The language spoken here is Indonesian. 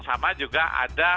bahwa beberapa orang